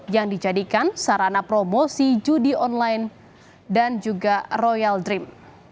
yang dijadikan sarana promosi judi online dan juga royal dream